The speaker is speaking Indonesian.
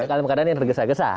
kalim keadaan yang tergesa gesa